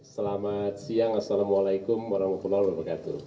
selamat siang assalamualaikum warahmatullahi wabarakatuh